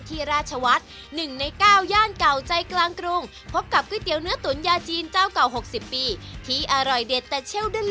เขาบอกว่าเส้นของทางร้านพี่นี่มันนุ่ม